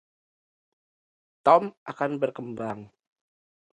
Tom akan berkembang.